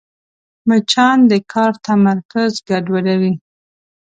مچان د کار تمرکز ګډوډوي